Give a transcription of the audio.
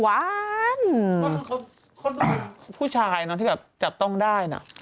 เขาดูผู้ชายที่จับต้องได้